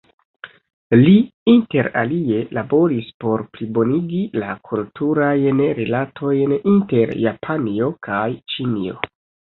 Li inter alie laboris por plibonigi la kulturajn rilatojn inter Japanio kaj Ĉinio.